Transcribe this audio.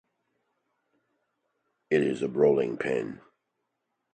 It is a rolling pin.